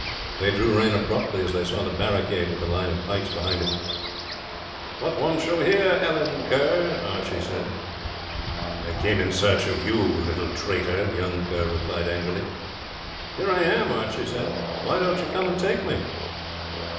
They drew rein abruptly as they saw the barricade with the line of pikes behind it. "What want you here, Allan Kerr?" Archie said. "I came in search of you, little traitor," young Kerr replied angrily. "Here I am," Archie said; "why don't you come and take me?"